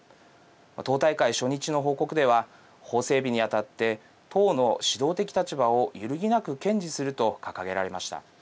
党大会初日の報告では法整備にあたって党の指導的立場を揺るぎなく堅持すると掲げられました。